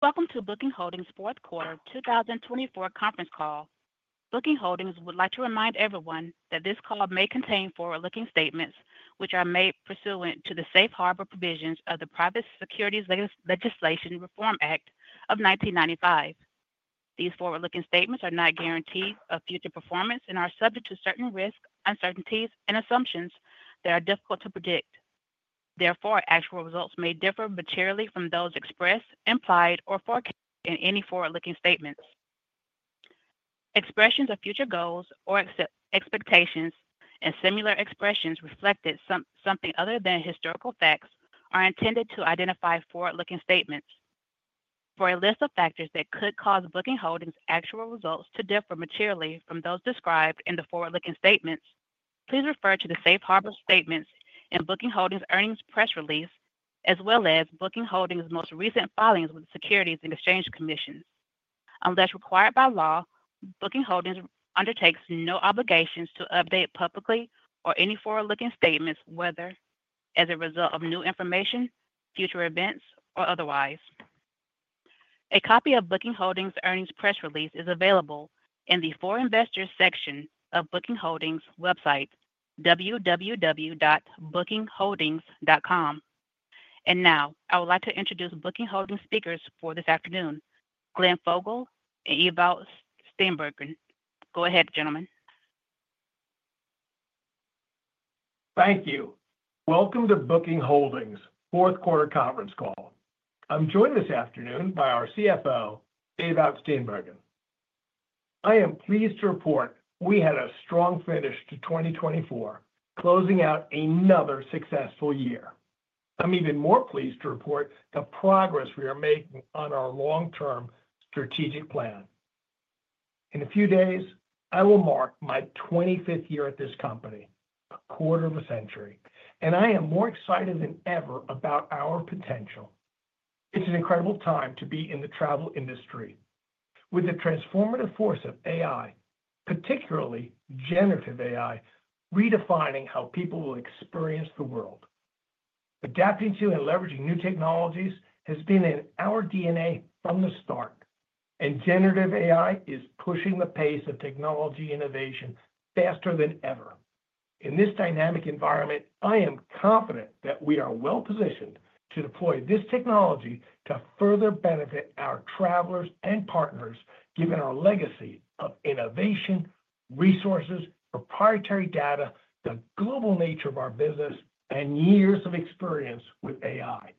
Welcome to Booking Holdings' Q4 2024 Conference Call. Booking Holdings would like to remind everyone that this call may contain forward-looking statements which are made pursuant to the Safe Harbor Provisions of the Private Securities Litigation Reform Act of 1995. These forward-looking statements are not guarantees of future performance and are subject to certain risks, uncertainties, and assumptions that are difficult to predict. Therefore, actual results may differ materially from those expressed, implied, or forecasted in any forward-looking statements. Expressions of future goals or expectations and similar expressions reflecting something other than historical facts are intended to identify forward-looking statements. For a list of factors that could cause Booking Holdings' actual results to differ materially from those described in the forward-looking statements, please refer to the Safe Harbor Statements and Booking Holdings' earnings press release, as well as Booking Holdings' most recent filings with the Securities and Exchange Commission. Unless required by law, Booking Holdings undertakes no obligations to update publicly or any forward-looking statements whether as a result of new information, future events, or otherwise. A copy of Booking Holdings' earnings press release is available in the For Investors section of Booking Holdings' website, www.bookingholdings.com. And now, I would like to introduce Booking Holdings' speakers for this afternoon: Glenn Fogel and Ewout Steenbergen. Go ahead, gentlemen. Thank you. Welcome to Booking Holdings' Q4 Conference Call. I'm joined this afternoon by our CFO, Ewout Steenbergen. I am pleased to report we had a strong finish to 2024, closing out another successful year. I'm even more pleased to report the progress we are making on our long-term strategic plan. In a few days, I will mark my 25th year at this company, a quarter of a century, and I am more excited than ever about our potential. It's an incredible time to be in the travel industry with the transformative force of AI, particularly generative AI, redefining how people will experience the world. Adapting to and leveraging new technologies has been in our DNA from the start, and generative AI is pushing the pace of technology innovation faster than ever. In this dynamic environment, I am confident that we are well positioned to deploy this technology to further benefit our travelers and partners, given our legacy of innovation, resources, proprietary data, the global nature of our business, and years of experience with AI.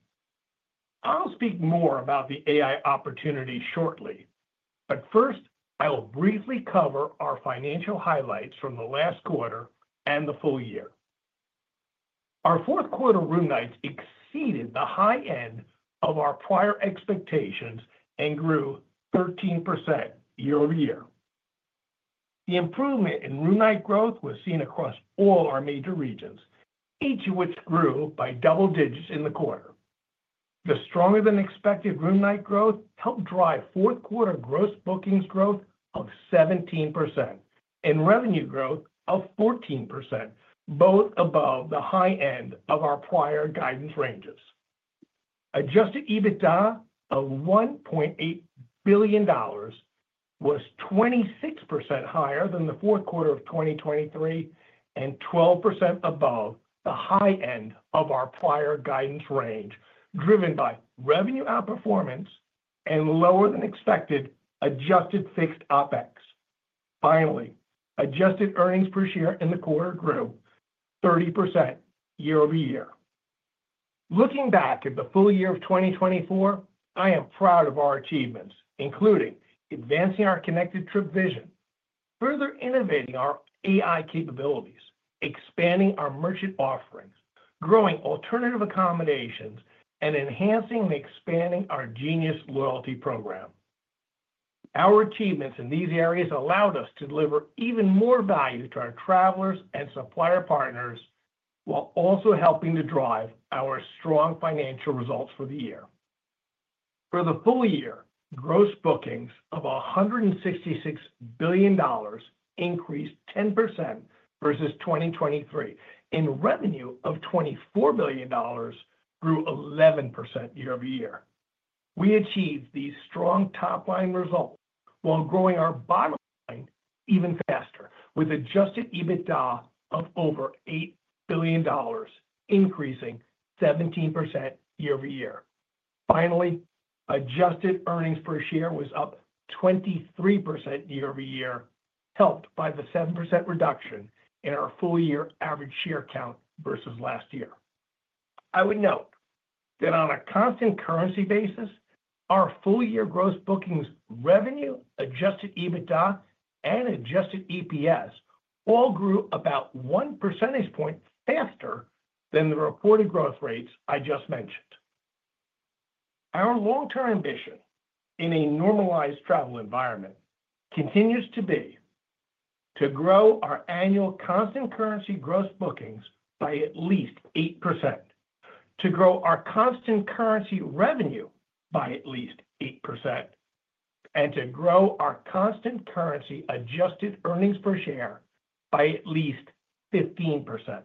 I'll speak more about the AI opportunity shortly, but first, I will briefly cover our financial highlights from the last Q and the full year. Our Q4 room nights exceeded the high end of our prior expectations and grew 13% year over year. The improvement in room night growth was seen across all our major regions, each of which grew by double digits in the quarter. The stronger-than-expected room night growth helped drive Q4 gross bookings growth of 17% and revenue growth of 14%, both above the high end of our prior guidance ranges. Adjusted EBITDA of $1.8 billion was 26% higher than the Q4 of 2023 and 12% above the high end of our prior guidance range, driven by revenue outperformance and lower-than-expected adjusted fixed OpEx. Finally, adjusted earnings per share in the Q grew 30% year over year. Looking back at the full year of 2024, I am proud of our achievements, including advancing our Connected Trip vision, further innovating our AI capabilities, expanding our merchant offerings, growing Alternative Accommodations, and enhancing and expanding our Genius loyalty program. Our achievements in these areas allowed us to deliver even more value to our travelers and supplier partners while also helping to drive our strong financial results for the year. For the full year, gross bookings of $166 billion increased 10% versus 2023, and revenue of $24 billion grew 11% year over year. We achieved these strong top-line results while growing our bottom line even faster with adjusted EBITDA of over $8 billion, increasing 17% year over year. Finally, adjusted earnings per share was up 23% year over year, helped by the 7% reduction in our full year average share count versus last year. I would note that on a constant currency basis, our full year gross bookings revenue, adjusted EBITDA, and adjusted EPS all grew about one percentage point faster than the reported growth rates I just mentioned. Our long-term ambition in a normalized travel environment continues to be to grow our annual constant currency gross bookings by at least 8%, to grow our constant currency revenue by at least 8%, and to grow our constant currency adjusted earnings per share by at least 15%.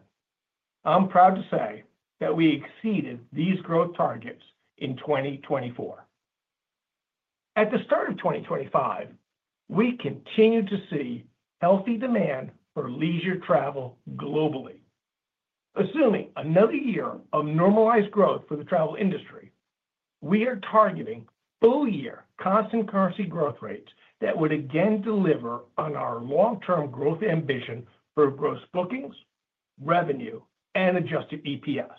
I'm proud to say that we exceeded these growth targets in 2024. At the start of 2025, we continue to see healthy demand for leisure travel globally. Assuming another year of normalized growth for the travel industry, we are targeting full-year constant currency growth rates that would again deliver on our long-term growth ambition for gross bookings, revenue, and adjusted EPS.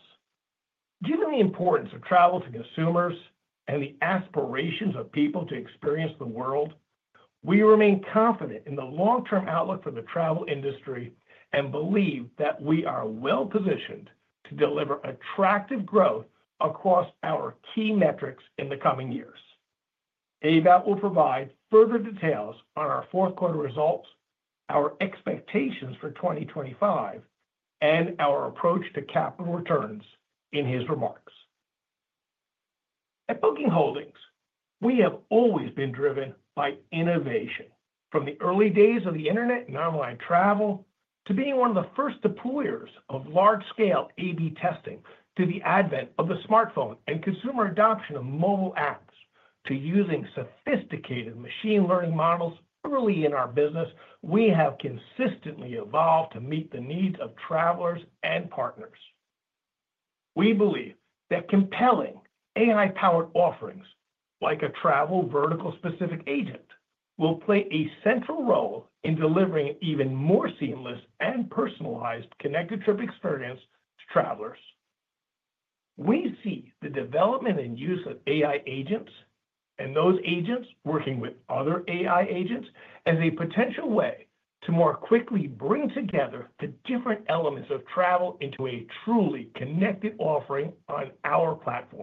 Given the importance of travel to consumers and the aspirations of people to experience the world, we remain confident in the long-term outlook for the travel industry and believe that we are well positioned to deliver attractive growth across our key metrics in the coming years. Ewout will provide further details on our Q4 results, our expectations for 2025, and our approach to capital returns in his remarks. At Booking Holdings, we have always been driven by innovation. From the early days of the internet and online travel to being one of the first deployers of large-scale A/B testing, to the advent of the smartphone and consumer adoption of mobile apps, to using sophisticated machine learning models early in our business, we have consistently evolved to meet the needs of travelers and partners. We believe that compelling AI-powered offerings, like a travel vertical-specific agent, will play a central role in delivering an even more seamless and personalized connected trip experience to travelers. We see the development and use of AI agents and those agents working with other AI agents as a potential way to more quickly bring together the different elements of travel into a truly connected offering on our platform.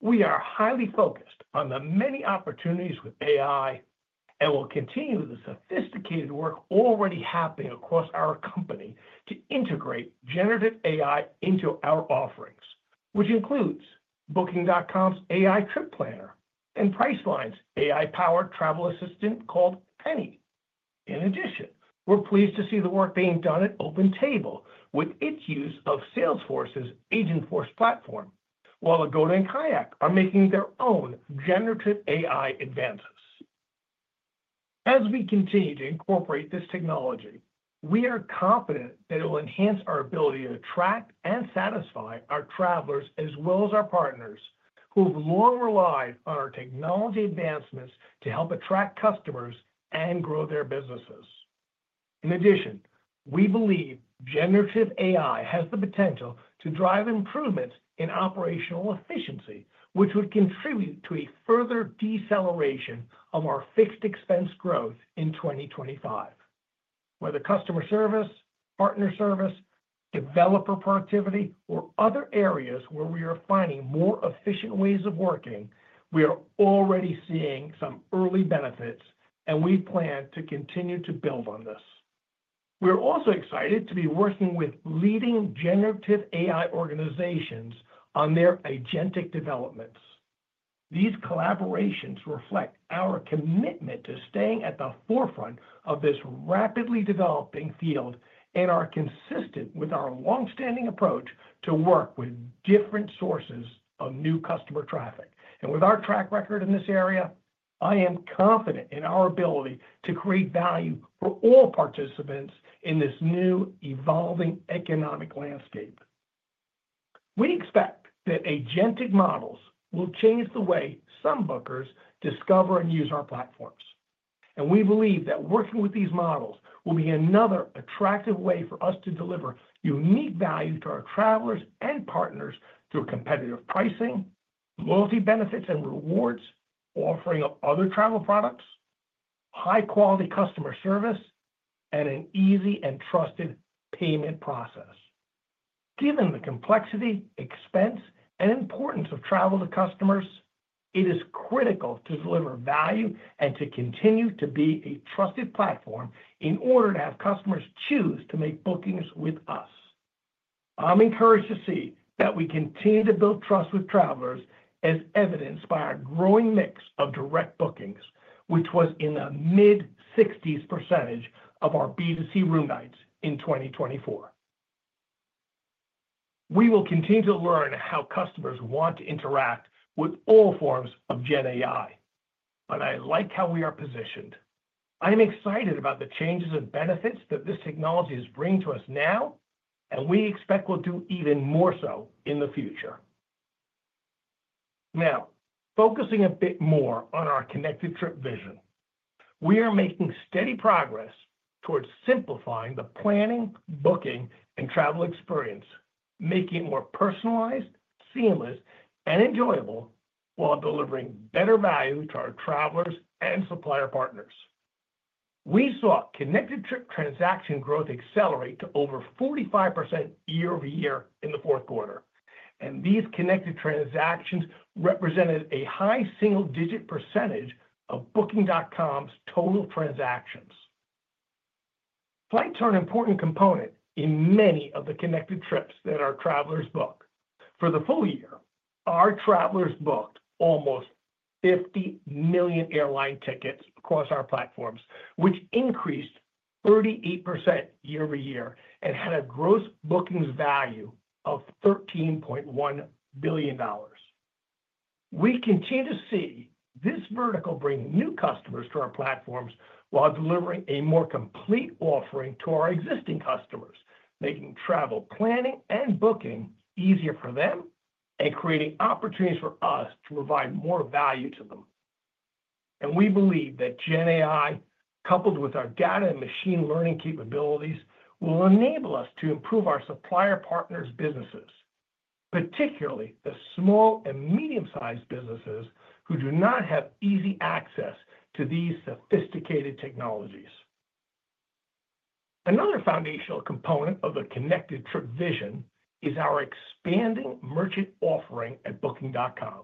We are highly focused on the many opportunities with AI and will continue the sophisticated work already happening across our company to integrate generative AI into our offerings, which includes Booking.com's AI Trip Planner and Priceline's AI-powered travel assistant called Penny. In addition, we're pleased to see the work being done at OpenTable with its use of Salesforce's Agentforce platform, while Agoda and KAYAK are making their own generative AI advances. As we continue to incorporate this technology, we are confident that it will enhance our ability to attract and satisfy our travelers as well as our partners who have long relied on our technology advancements to help attract customers and grow their businesses. In addition, we believe generative AI has the potential to drive improvements in operational efficiency, which would contribute to a further deceleration of our fixed expense growth in 2025. Whether customer service, partner service, developer productivity, or other areas where we are finding more efficient ways of working, we are already seeing some early benefits, and we plan to continue to build on this. We are also excited to be working with leading generative AI organizations on their agentic developments. These collaborations reflect our commitment to staying at the forefront of this rapidly developing field and are consistent with our long-standing approach to work with different sources of new customer traffic, and with our track record in this area, I am confident in our ability to create value for all participants in this new evolving economic landscape. We expect that agentic models will change the way some bookers discover and use our platforms. We believe that working with these models will be another attractive way for us to deliver unique value to our travelers and partners through competitive pricing, loyalty benefits, and rewards, offering of other travel products, high-quality customer service, and an easy and trusted payment process. Given the complexity, expense, and importance of travel to customers, it is critical to deliver value and to continue to be a trusted platform in order to have customers choose to make bookings with us. I'm encouraged to see that we continue to build trust with travelers, as evidenced by our growing mix of direct bookings, which was in the mid-60s% of our B2C room nights in 2024. We will continue to learn how customers want to interact with all forms of GenAI, but I like how we are positioned. I'm excited about the changes and benefits that this technology is bringing to us now, and we expect we'll do even more so in the future. Now, focusing a bit more on our Connected Trip vision, we are making steady progress towards simplifying the planning, booking, and travel experience, making it more personalized, seamless, and enjoyable while delivering better value to our travelers and supplier partners. We saw Connected Trip transaction growth accelerate to over 45% year over year in the Q4, and these Connected Trip transactions represented a high single-digit percentage of Booking.com's total transactions. Flights are an important component in many of the Connected Trips that our travelers book. For the full year, our travelers booked almost 50 million airline tickets across our platforms, which increased 38% year over year and had a Gross Bookings value of $13.1 billion. We continue to see this vertical bring new customers to our platforms while delivering a more complete offering to our existing customers, making travel planning and booking easier for them and creating opportunities for us to provide more value to them. And we believe that GenAI, coupled with our data and machine learning capabilities, will enable us to improve our supplier partners' businesses, particularly the small and medium-sized businesses who do not have easy access to these sophisticated technologies. Another foundational component of the Connected Trip vision is our expanding merchant offering at Booking.com.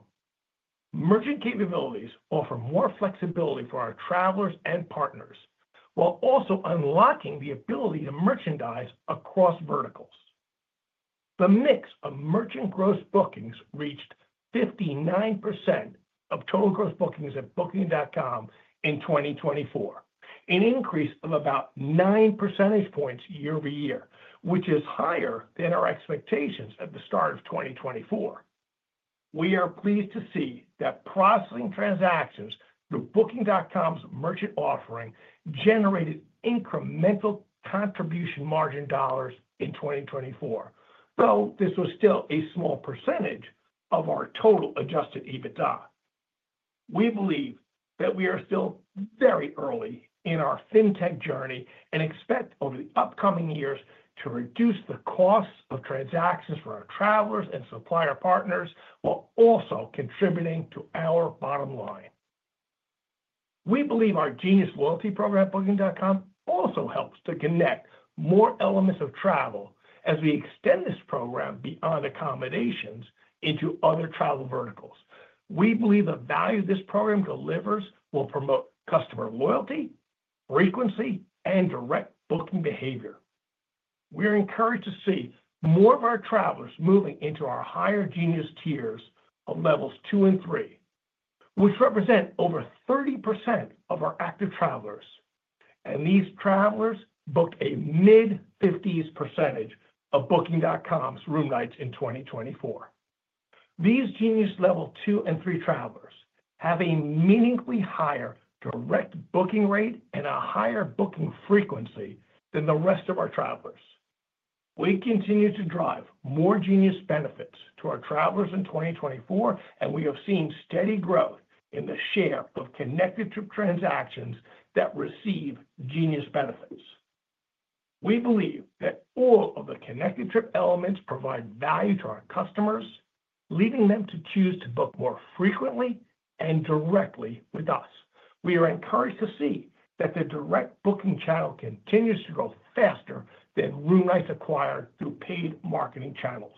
Merchant capabilities offer more flexibility for our travelers and partners while also unlocking the ability to merchandise across verticals. The mix of merchant gross bookings reached 59% of total gross bookings at Booking.com in 2024, an increase of about 9% points year over year, which is higher than our expectations at the start of 2024. We are pleased to see that processing transactions through Booking.com's merchant offering generated incremental contribution margin dollars in 2024, though this was still a small percentage of our total Adjusted EBITDA. We believe that we are still very early in our fintech journey and expect over the upcoming years to reduce the costs of transactions for our travelers and supplier partners while also contributing to our bottom line. We believe our Genius loyalty program at Booking.com also helps to connect more elements of travel as we extend this program beyond accommodations into other travel verticals. We believe the value this program delivers will promote customer loyalty, frequency, and direct booking behavior. We're encouraged to see more of our travelers moving into our higher Genius tiers of levels two and three, which represent over 30% of our active travelers. These travelers booked a mid-50s% of Booking.com's Room Nights in 2024. These Genius level two and three travelers have a meaningfully higher direct booking rate and a higher booking frequency than the rest of our travelers. We continue to drive more Genius benefits to our travelers in 2024, and we have seen steady growth in the share of Connected Trip transactions that receive Genius benefits. We believe that all of the Connected Trip elements provide value to our customers, leading them to choose to book more frequently and directly with us. We are encouraged to see that the direct booking channel continues to grow faster than Room Nights acquired through paid marketing channels.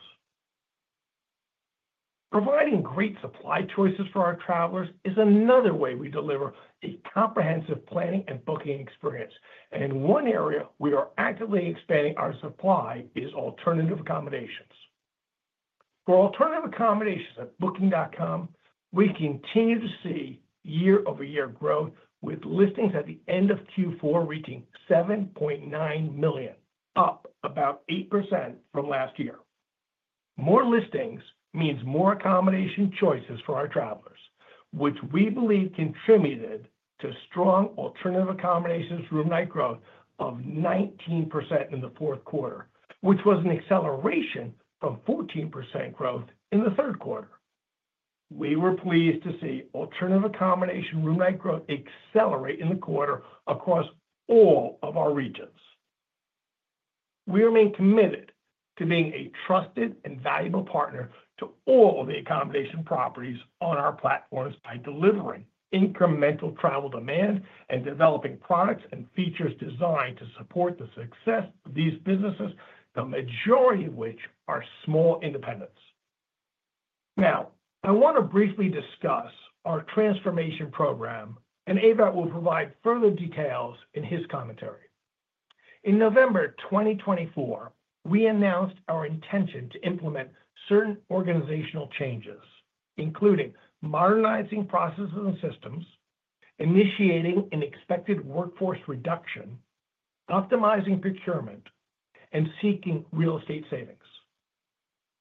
Providing great supply choices for our travelers is another way we deliver a comprehensive planning and booking experience. In one area we are actively expanding our supply, is Alternative Accommodations. For Alternative Accommodations at Booking.com, we continue to see year-over-year growth with listings at the end of Q4 reaching 7.9 million, up about 8% from last year. More listings means more accommodation choices for our travelers, which we believe contributed to strong alternative accommodations room night growth of 19% in the fourth quarter, which was an acceleration from 14% growth in the Q3. We were pleased to see alternative accommodation room night growth accelerate in the quarter across all of our regions. We remain committed to being a trusted and valuable partner to all of the accommodation properties on our platforms by delivering incremental travel demand and developing products and features designed to support the success of these businesses, the majority of which are small independents. Now, I want to briefly discuss our transformation program, and Ewout will provide further details in his commentary. In November 2024, we announced our intention to implement certain organizational changes, including modernizing processes and systems, initiating an expected workforce reduction, optimizing procurement, and seeking real estate savings.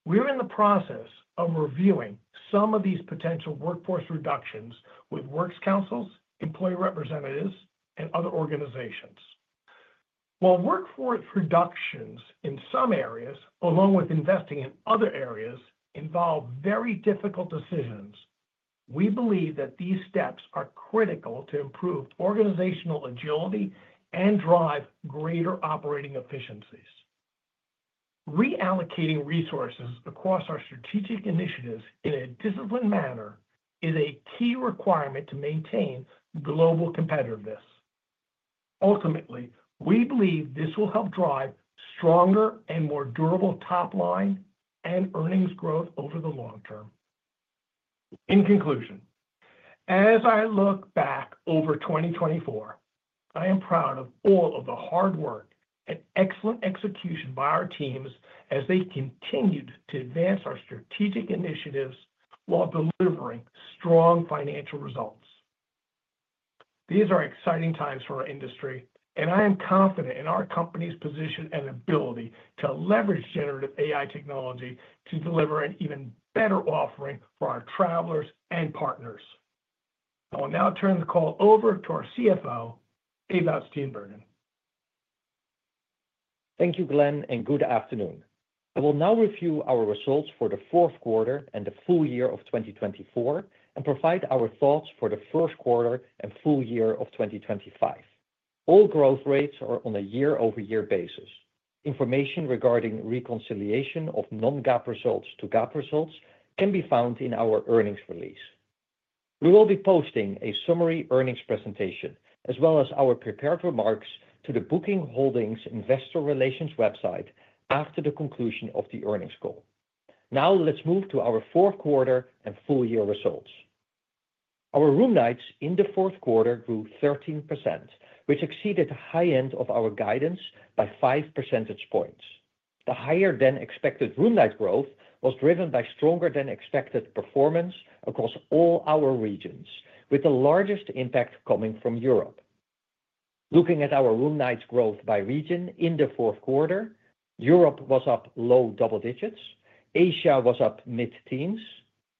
We're in the process of reviewing some of these potential workforce reductions with works councils, employee representatives, and other organizations. While workforce reductions in some areas, along with investing in other areas, involve very difficult decisions, we believe that these steps are critical to improve organizational agility and drive greater operating efficiencies. Reallocating resources across our strategic initiatives in a disciplined manner is a key requirement to maintain global competitiveness. Ultimately, we believe this will help drive stronger and more durable top line and earnings growth over the long term. In conclusion, as I look back over 2024, I am proud of all of the hard work and excellent execution by our teams as they continued to advance our strategic initiatives while delivering strong financial results. These are exciting times for our industry, and I am confident in our company's position and ability to leverage generative AI technology to deliver an even better offering for our travelers and partners. I will now turn the call over to our CFO, Ewout Steenbergen. Thank you, Glenn, and good afternoon. I will now review our results for the Q4 and the full year of 2024 and provide our thoughts for the first quarter and full year of 2025. All growth rates are on a year-over-year basis. Information regarding reconciliation of non-GAAP results to GAAP results can be found in our earnings release. We will be posting a summary earnings presentation as well as our prepared remarks to the Booking Holdings Investor Relations website after the conclusion of the earnings call. Now, let's move to our Q4 and full year results. Our room nights in the Q4 grew 13%, which exceeded the high end of our guidance by 5% points. The higher-than-expected room night growth was driven by stronger-than-expected performance across all our regions, with the largest impact coming from Europe. Looking at our room nights growth by region in the Q4, Europe was up low double digits, Asia was up mid-teens,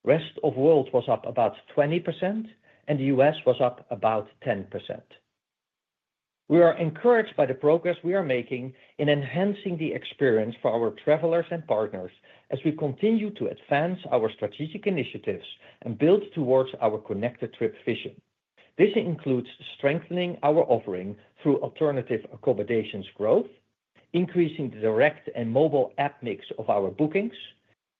rest of the world was up about 20%, and the U.S. was up about 10%. We are encouraged by the progress we are making in enhancing the experience for our travelers and partners as we continue to advance our strategic initiatives and build towards our Connected Trip vision. This includes strengthening our offering through alternative accommodations growth, increasing the direct and mobile app mix of our bookings,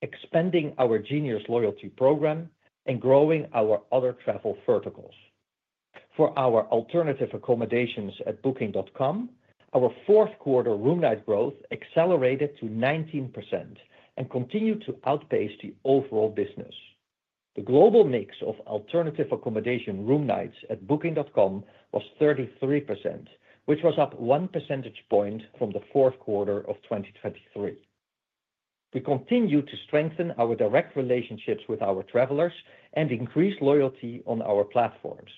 expanding our Genius loyalty program, and growing our other travel verticals. For our alternative accommodations at Booking.com, our Q4 Room Night growth accelerated to 19% and continued to outpace the overall business. The global mix of Alternative Accommodation Room Nights at Booking.com was 33%, which was up 1% point from the Q4 of 2023. We continue to strengthen our direct relationships with our travelers and increase loyalty on our platforms.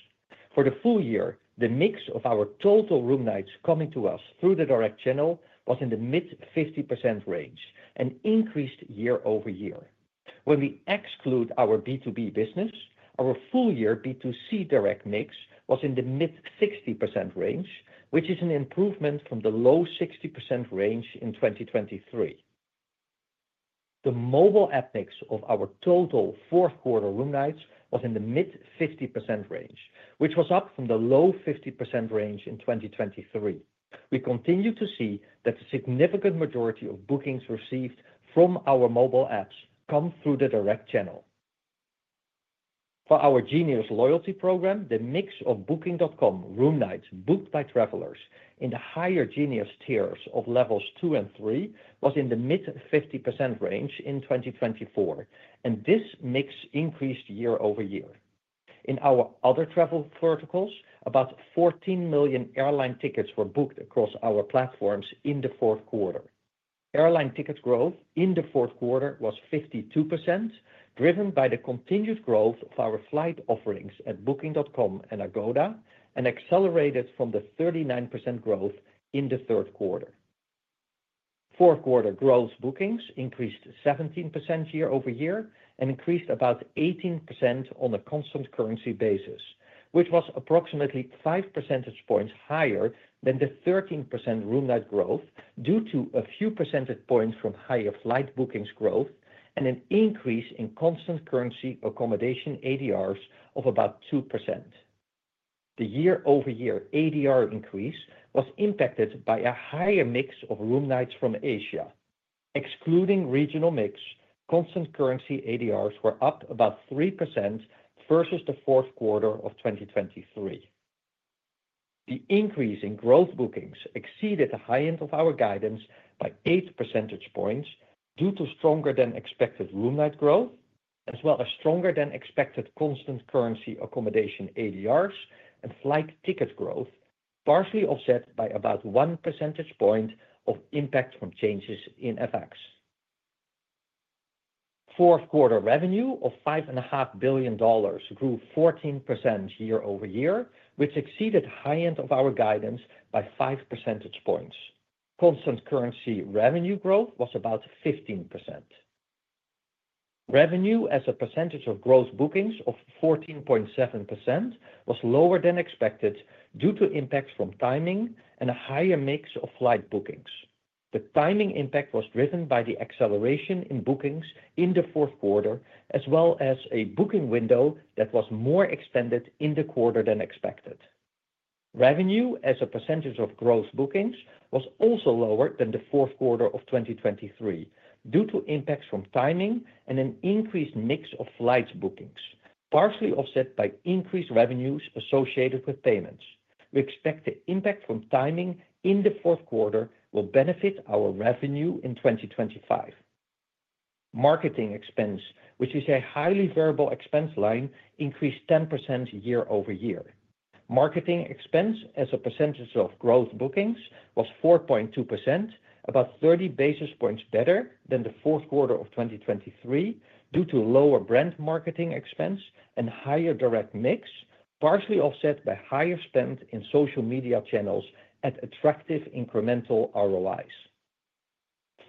For the full year, the mix of our total room nights coming to us through the direct channel was in the mid-50% range, an increase year-over-year. When we exclude our B2B business, our full year B2C direct mix was in the mid-60% range, which is an improvement from the low 60% range in 2023. The mobile app mix of our total Q4 Room Nights was in the mid-50% range, which was up from the low 50% range in 2023. We continue to see that the significant majority of bookings received from our mobile apps come through the direct channel. For our Genius loyalty program, the mix of Booking.com Room Nights booked by travelers in the higher Genius tiers of levels two and three was in the mid-50% range in 2024, and this mix increased year-over-year. In our other travel verticals, about 14 million airline tickets were booked across our platforms in the Q4. Airline ticket growth in the fourth quarter was 52%, driven by the continued growth of our flight offerings at Booking.com and Agoda, and accelerated from the 39% growth in the Q3. Q4 gross bookings increased 17% year-over-year and increased about 18% on a constant currency basis, which was approximately 5% points higher than the 13% room night growth due to a few % points from higher flight bookings growth and an increase in constant currency accommodation ADRs of about 2%. The year-over-year ADR increase was impacted by a higher mix of Room Nights from Asia. Excluding regional mix, constant currency ADRs were up about 3% versus the Q4 of 2023. The increase in gross bookings exceeded the high end of our guidance by 8% points due to stronger-than-expected room night growth, as well as stronger-than-expected constant currency accommodation ADRs and flight ticket growth, partially offset by about 1% point of impact from changes in FX. Q4 revenue of $5.5 billion grew 14% year-over-year, which exceeded the high end of our guidance by 5% points. Constant currency revenue growth was about 15%. Revenue as a % of gross bookings of 14.7% was lower than expected due to impacts from timing and a higher mix of flight bookings. The timing impact was driven by the acceleration in bookings in the Q4, as well as a booking window that was more extended in the Q than expected. Revenue as a percentage of gross bookings was also lower than the Q4 of 2023 due to impacts from timing and an increased mix of flights bookings, partially offset by increased revenues associated with payments. We expect the impact from timing in the Q4 will benefit our revenue in 2025. Marketing expense, which is a highly variable expense line, increased 10% year-over-year. Marketing expense as a % of gross bookings was 4.2%, about 30 basis points better than the of 2023 due to lower brand marketing expense and higher direct mix, partially offset by higher spend in social media channels at attractive incremental ROIs.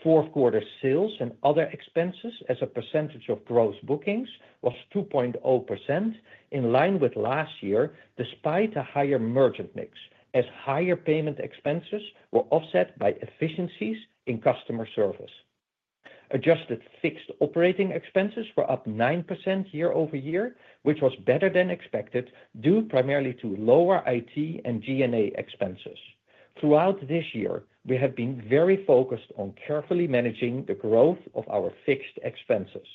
Q4 sales and other expenses as a percentage of gross bookings was 2.0%, in line with last year despite a higher merchant mix, as higher payment expenses were offset by efficiencies in customer service. Adjusted fixed operating expenses were up 9% year-over-year, which was better than expected due primarily to lower IT and G&A expenses. Throughout this year, we have been very focused on carefully managing the growth of our fixed expenses.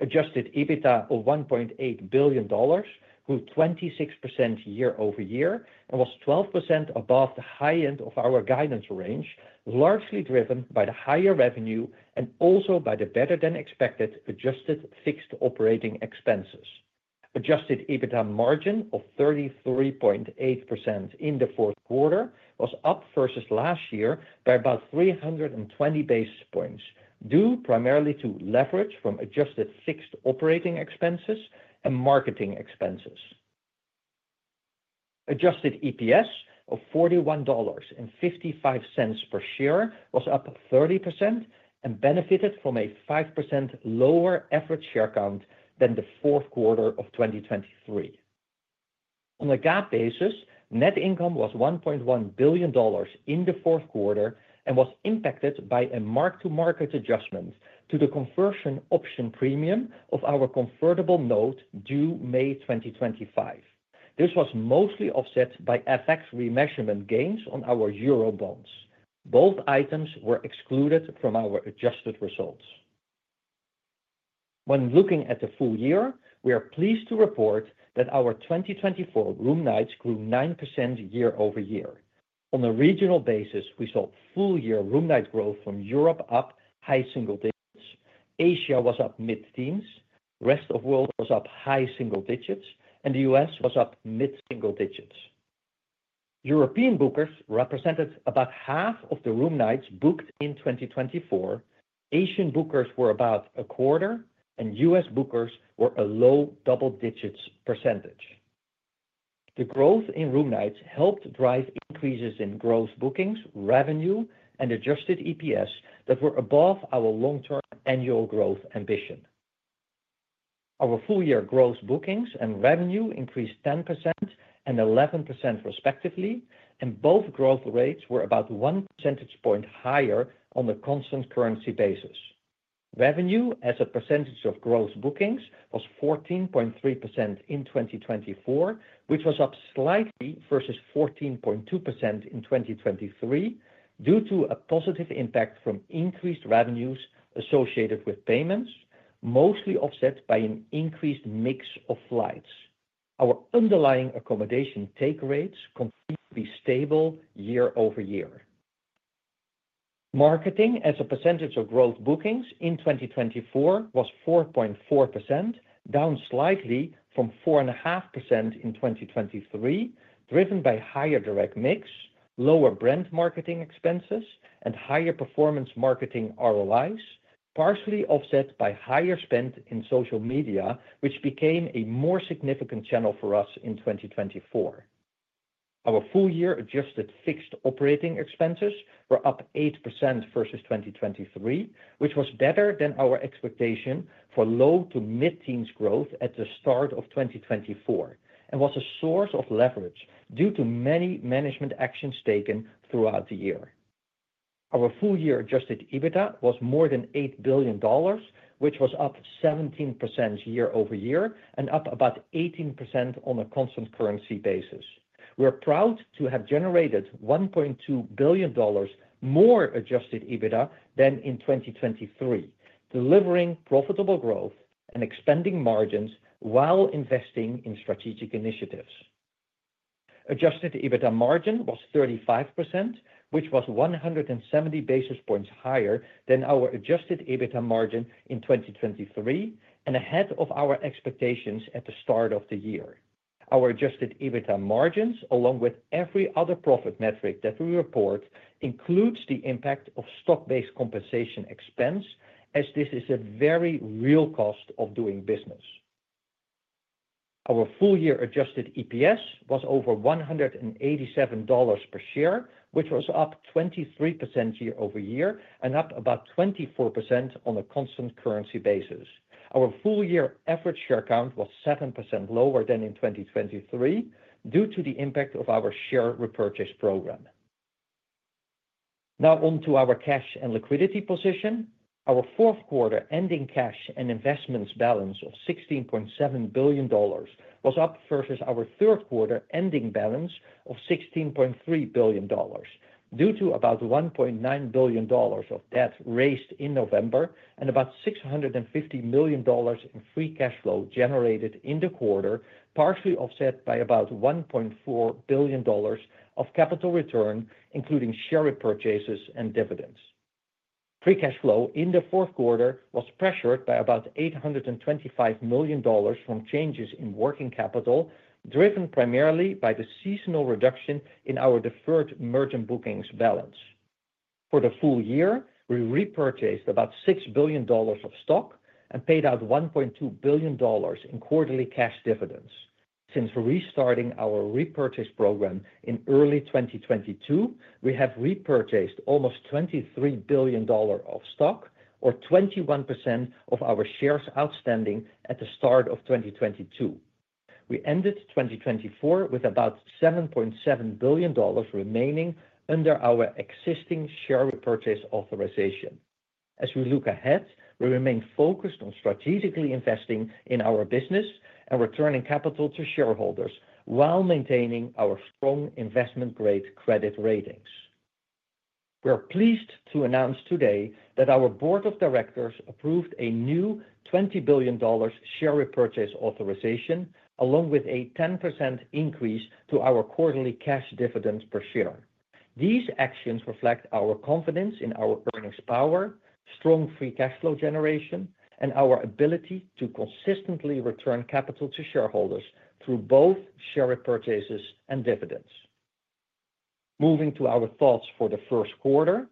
Adjusted EBITDA of $1.8 billion grew 26% year-over-year and was 12% above the high end of our guidance range, largely driven by the higher revenue and also by the better-than-expected adjusted fixed operating expenses. Adjusted EBITDA margin of 33.8% in the fourth quarter was up versus last year by about 320 basis points due primarily to leverage from adjusted fixed operating expenses and marketing expenses. Adjusted EPS of $41.55 per share was up 30% and benefited from a 5% lower average share count than the fourth quarter of 2023. On a GAAP basis, net income was $1.1 billion in the Q4 and was impacted by a mark-to-market adjustment to the conversion option premium of our convertible note due May 2025. This was mostly offset by FX remeasurement gains on our euro bonds. Both items were excluded from our adjusted results. When looking at the full year, we are pleased to report that our 2024 room nights grew 9% year-over-year. On a regional basis, we saw full year room night growth from Europe up high single digits. Asia was up mid-teens. Rest of the world was up high single digits, and the US was up mid-single digits. European bookers represented about 1/2 of the room nights booked in 2024. Asian bookers were about 1/4, and US bookers were a low double digits percentage. The growth in room nights helped drive increases in gross bookings, revenue, and Adjusted EPS that were above our long-term annual growth ambition. Our full year gross bookings and revenue increased 10% and 11% respectively, and both growth rates were about 1 % point higher on the constant currency basis. Revenue as a percentage of gross bookings was 14.3% in 2024, which was up slightly versus 14.2% in 2023 due to a positive impact from increased revenues associated with payments, mostly offset by an increased mix of flights. Our underlying accommodation take rates continue to be stable year-over-year. Marketing as a percentage of gross bookings in 2024 was 4.4%, down slightly from 4.5% in 2023, driven by higher direct mix, lower brand marketing expenses, and higher performance marketing ROIs, partially offset by higher spend in social media, which became a more significant channel for us in 2024. Our full year adjusted fixed operating expenses were up 8% versus 2023, which was better than our expectation for low to mid-teens growth at the start of 2024 and was a source of leverage due to many management actions taken throughout the year. Our full year adjusted EBITDA was more than $8 billion, which was up 17% year-over-year and up about 18% on a constant currency basis. We are proud to have generated $1.2 billion more adjusted EBITDA than in 2023, delivering profitable growth and expanding margins while investing in strategic initiatives. Adjusted EBITDA margin was 35%, which was 170 basis points higher than our adjusted EBITDA margin in 2023 and ahead of our expectations at the start of the year. Our Adjusted EBITDA margins, along with every other profit metric that we report, include the impact of stock-based compensation expense, as this is a very real cost of doing business. Our full year Adjusted EPS was over $187 per share, which was up 23% year-over-year and up about 24% on a constant currency basis. Our full year average share count was 7% lower than in 2023 due to the impact of our share repurchase program. Now on to our cash and liquidity position. Our Q4 ending cash and investments balance of $16.7 billion was up versus our ending balance of $16.3 billion due to about $1.9 billion of debt raised in November and about $650 million in free cash flow generated in the Q, partially offset by about $1.4 billion of capital return, including share repurchases and dividends. Free cash flow in the Q4 was pressured by about $825 million from changes in working capital, driven primarily by the seasonal reduction in our deferred merchant bookings balance. For the full year, we repurchased about $6 billion of stock and paid out $1.2 billion in quarterly cash dividends. Since restarting our repurchase program in early 2022, we have repurchased almost $23 billion of stock, or 21% of our shares outstanding at the start of 2022. We ended 2024 with about $7.7 billion remaining under our existing share repurchase authorization. As we look ahead, we remain focused on strategically investing in our business and returning capital to shareholders while maintaining our strong investment-grade credit ratings. We are pleased to announce today that our Board of Directors approved a new $20 billion share repurchase authorization, along with a 10% increase to our quarterly cash dividend per share. These actions reflect our confidence in our earnings power, strong free cash flow generation, and our ability to consistently return capital to shareholders through both share repurchases and dividends. Moving to our thoughts for the first quarter,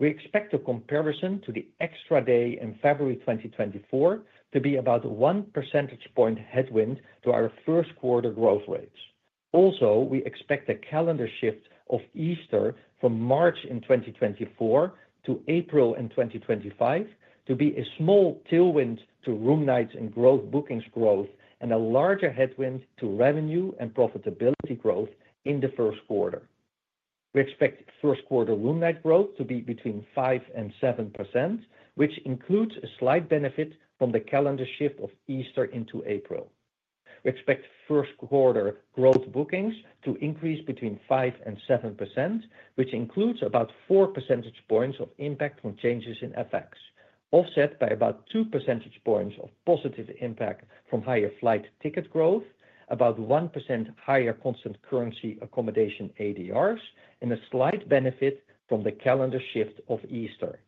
we expect a comparison to the extra day in February 2024 to be about a one percentage point headwind to our first quarter growth rates. Also, we expect a calendar shift of Easter from March in 2024 to April in 2025 to be a small tailwind to room nights and gross bookings growth and a larger headwind to revenue and profitability growth in the first quarter. We expect Q1 room night growth to be between 5% and 7%, which includes a slight benefit from the calendar shift of Easter into April. We expect Q1 gross bookings to increase between 5% and 7%, which includes about 4% points of impact from changes in FX, offset by about 2% points of positive impact from higher flight ticket growth, about 1% higher constant currency accommodation ADRs, and a slight benefit from the calendar shift of Easter.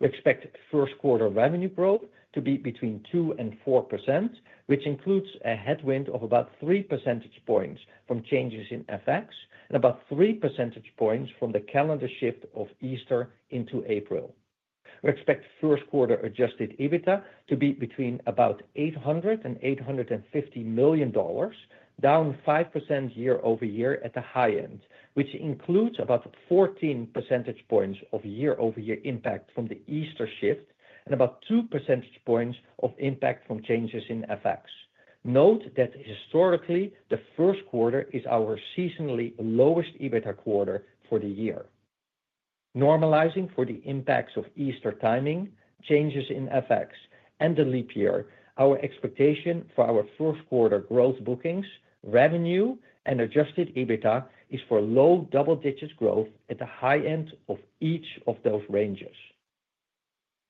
We expect first quarter revenue growth to be between 2% and 4%, which includes a headwind of about 3 percentage points from changes in FX and about 3% points from the calendar shift of Easter into April. We expect Q1 adjusted EBITDA to be between about $800 and $850 million, down 5% year-over-year at the high end, which includes about 14% points of year-over-year impact from the Easter shift and about 2% points of impact from changes in FX. Note that historically, the Q1 is our seasonally lowest EBITDA Q for the year. Normalizing for the impacts of Easter timing, changes in FX, and the leap year, our expectation for our first quarter gross bookings, revenue, and adjusted EBITDA is for low double-digit growth at the high end of each of those ranges.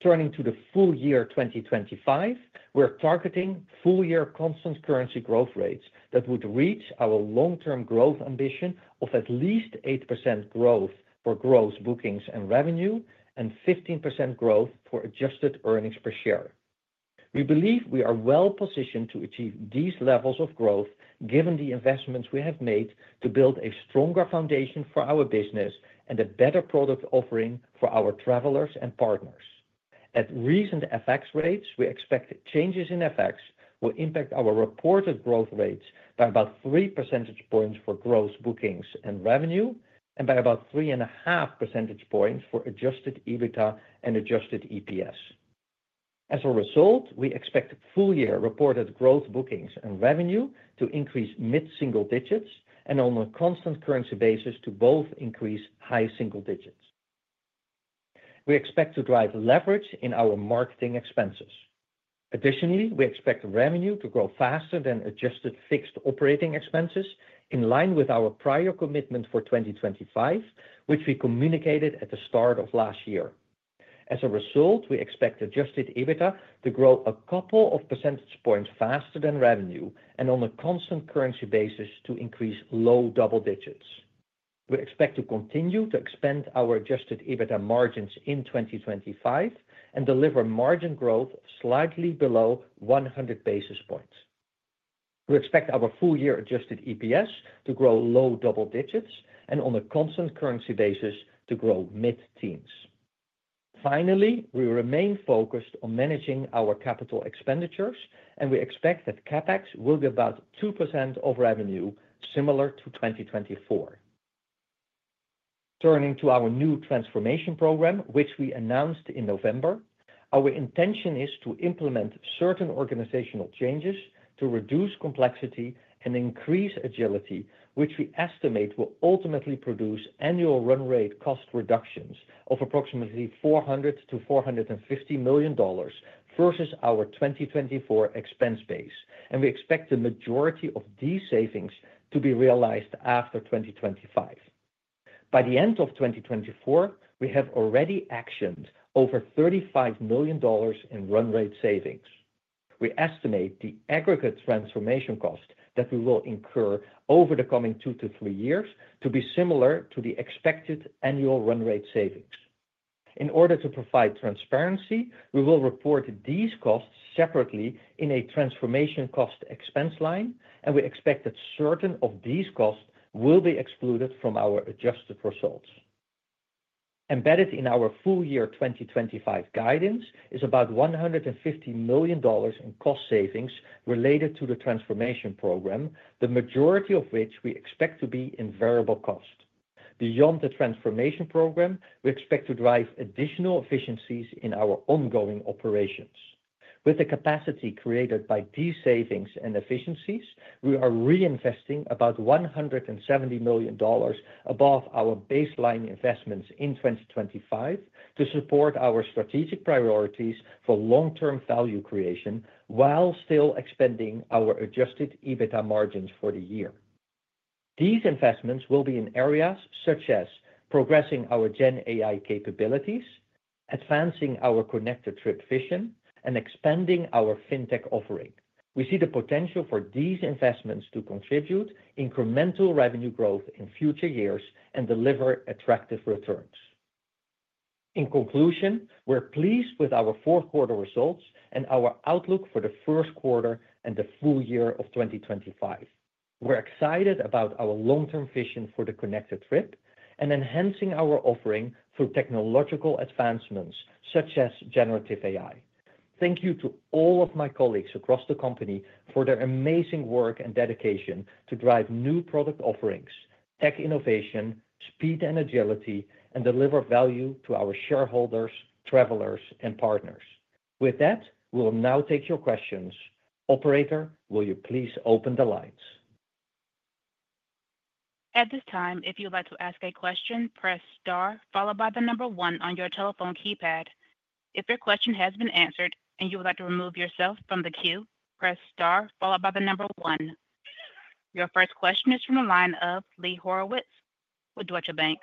Turning to the full year 2025, we're targeting full year constant currency growth rates that would reach our long-term growth ambition of at least 8% growth for gross bookings and revenue and 15% growth for adjusted earnings per share. We believe we are well positioned to achieve these levels of growth given the investments we have made to build a stronger foundation for our business and a better product offering for our travelers and partners. At recent FX rates, we expect changes in FX will impact our reported growth rates by about 3% points for gross bookings and revenue and by about 3.5% points for Adjusted EBITDA and Adjusted EPS. As a result, we expect full year reported gross bookings and revenue to increase mid-single digits and on a constant currency basis to both increase high single digits. We expect to drive leverage in our marketing expenses. Additionally, we expect revenue to grow faster than adjusted fixed operating expenses, in line with our prior commitment for 2025, which we communicated at the start of last year. As a result, we expect Adjusted EBITDA to grow a couple of percentage points faster than revenue and on a constant currency basis to increase low double digits. We expect to continue to expand our Adjusted EBITDA margins in 2025 and deliver margin growth slightly below 100 basis points. We expect our full year Adjusted EPS to grow low double digits and on a constant currency basis to grow mid-teens. Finally, we remain focused on managing our capital expenditures, and we expect that CapEx will be about 2% of revenue, similar to 2024. Turning to our new transformation program, which we announced in November, our intention is to implement certain organizational changes to reduce complexity and increase agility, which we estimate will ultimately produce annual run rate cost reductions of approximately $400-$450 million versus our 2024 expense base, and we expect the majority of these savings to be realized after 2025. By the end of 2024, we have already actioned over $35 million in run rate savings. We estimate the aggregate transformation cost that we will incur over the coming 2-3 years to be similar to the expected annual run rate savings. In order to provide transparency, we will report these costs separately in a transformation cost expense line, and we expect that certain of these costs will be excluded from our adjusted results. Embedded in our full year 2025 guidance is about $150 million in cost savings related to the transformation program, the majority of which we expect to be in variable cost. Beyond the transformation program, we expect to drive additional efficiencies in our ongoing operations. With the capacity created by these savings and efficiencies, we are reinvesting about $170 million above our baseline investments in 2025 to support our strategic priorities for long-term value creation while still expanding our adjusted EBITDA margins for the year. These investments will be in areas such as progressing our Gen AI capabilities, advancing our Connected Trip vision, and expanding our fintech offering. We see the potential for these investments to contribute incremental revenue growth in future years and deliver attractive returns. In conclusion, we're pleased with our fourth quarter results and our outlook for the first quarter and the full year of 2025. We're excited about our long-term vision for the Connected Trip and enhancing our offering through technological advancements such as generative AI. Thank you to all of my colleagues across the company for their amazing work and dedication to drive new product offerings, tech innovation, speed and agility, and deliver value to our shareholders, travelers, and partners. With that, we'll now take your questions. Operator, will you please open the lines? At this time, if you'd like to ask a question, press star followed by the number one on your telephone keypad. If your question has been answered and you would like to remove yourself from the queue, press star followed by the number one. Your first question is from the line of Lee Horowitz with Deutsche Bank.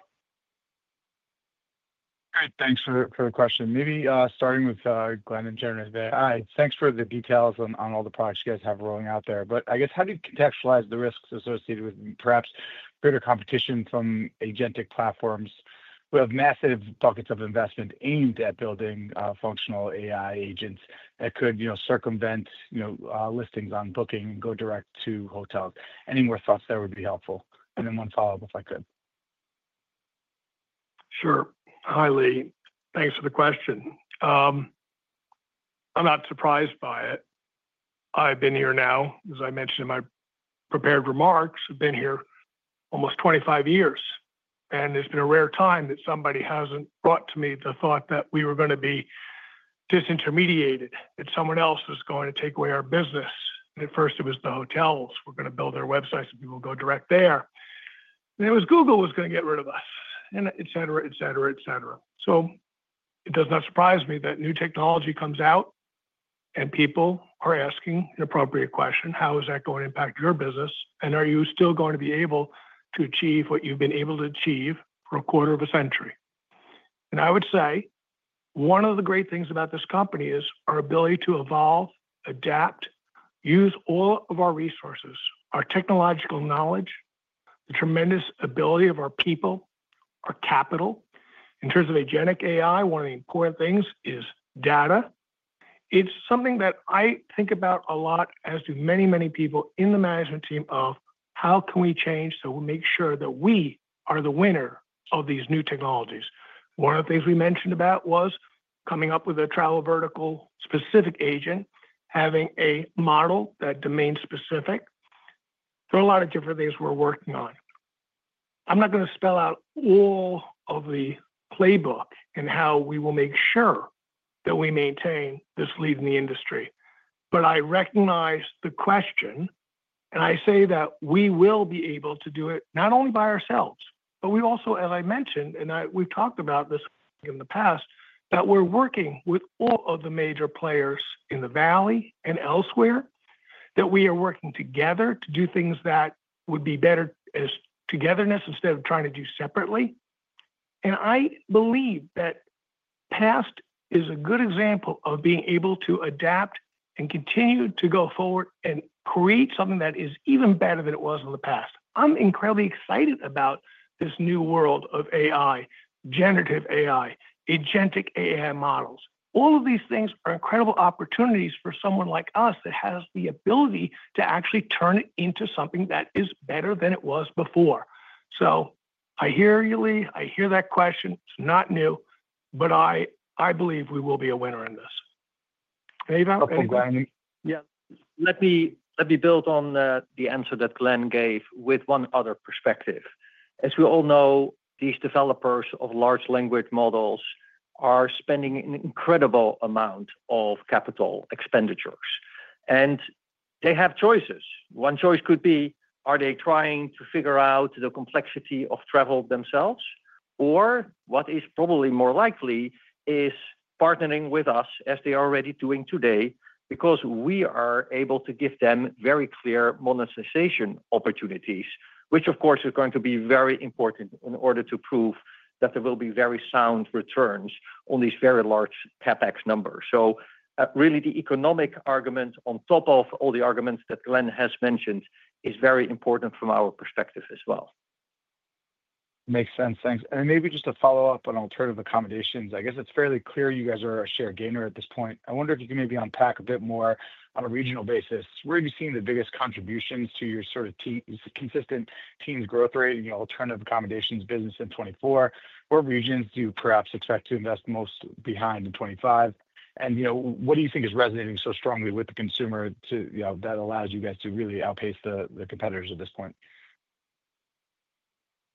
Great. Thanks for the question. Maybe starting with Glenn and Ewout there. Hi. Thanks for the details on all the products you guys have rolling out there. But I guess how do you contextualize the risks associated with perhaps greater competition from agentic platforms? We have massive buckets of investment aimed at building functional AI agents that could circumvent listings on Booking and go direct to hotels. Any more thoughts that would be helpful? And then one follow-up, if I could. Sure. Hi, Lee. Thanks for the question. I'm not surprised by it. I've been here now, as I mentioned in my prepared remarks, I've been here almost 25 years. And it's been a rare time that somebody hasn't brought to me the thought that we were going to be disintermediated, that someone else was going to take away our business. At first, it was the hotels. We're going to build their websites and people will go direct there. And it was Google was going to get rid of us, and et cetera, et cetera, et cetera. So it does not surprise me that new technology comes out and people are asking an appropriate question. How is that going to impact your business? And are you still going to be able to achieve what you've been able to achieve for a quarter of a century? I would say one of the great things about this company is our ability to evolve, adapt, use all of our resources, our technological knowledge, the tremendous ability of our people, our capital. In terms of Agentic AI, one of the important things is data. It's something that I think about a lot, as do many, many people in the management team, of how can we change so we make sure that we are the winner of these new technologies. One of the things we mentioned about was coming up with a travel vertical-specific agent, having a model that's domain-specific. There are a lot of different things we're working on. I'm not going to spell out all of the playbook and how we will make sure that we maintain this lead in the industry. But I recognize the question, and I say that we will be able to do it not only by ourselves, but we also, as I mentioned, and we've talked about this in the past, that we're working with all of the major players in the Valley and elsewhere, that we are working together to do things that would be better as togetherness instead of trying to do separately. And I believe that past is a good example of being able to adapt and continue to go forward and create something that is even better than it was in the past. I'm incredibly excited about this new world of AI, generative AI, agentic AI models. All of these things are incredible opportunities for someone like us that has the ability to actually turn it into something that is better than it was before. So I hear you, Lee. I hear that question. It's not new, but I believe we will be a winner in this. Thank you, Glenn. Yeah. Let me build on the answer that Glenn gave with one other perspective. As we all know, these developers of large language models are spending an incredible amount of capital expenditures, and they have choices. One choice could be, are they trying to figure out the complexity of travel themselves? Or what is probably more likely is partnering with us, as they are already doing today, because we are able to give them very clear monetization opportunities, which, of course, is going to be very important in order to prove that there will be very sound returns on these very large CapEx numbers, so really, the economic argument on top of all the arguments that Glenn has mentioned is very important from our perspective as well. Makes sense. Thanks. And maybe just to follow up on alternative accommodations. I guess it's fairly clear you guys are a share gainer at this point. I wonder if you can maybe unpack a bit more on a regional basis. Where have you seen the biggest contributions to your sort of consistent teens' growth rate and your alternative accommodations business in 2024? What regions do you perhaps expect to invest most behind in 2025? And what do you think is resonating so strongly with the consumer that allows you guys to really outpace the competitors at this point?